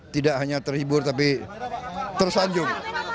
tidak hanya terhibur tapi tersanjung